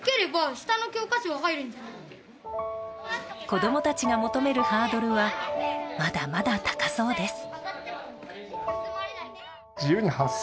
子供たちが求めるハードルはまだまだ高そうです。